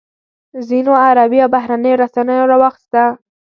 ځینو عربي او بهرنیو رسنیو راواخیسته.